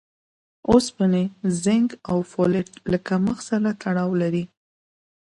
اوسپنې، زېنک او فولېټ له کمښت سره تړاو لري.